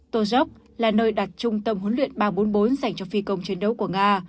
tô gizok là nơi đặt trung tâm huấn luyện ba trăm bốn mươi bốn dành cho phi công chiến đấu của nga